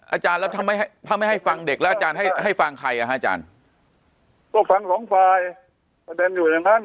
อาจารย์แล้วทำไมให้ทำไมให้ฟังเด็กแล้วอาจารย์ให้ให้ฟังใครอ่ะฮะอาจารย์ก็ฟังสองฝ่าย